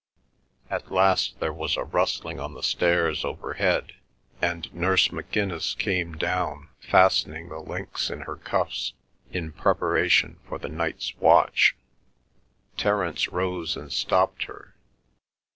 At last there was a rustling on the stairs overhead, and Nurse McInnis came down fastening the links in her cuffs, in preparation for the night's watch. Terence rose and stopped her.